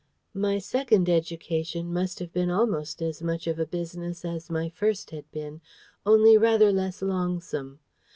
My second education must have been almost as much of a business as my first had been, only rather less longsome.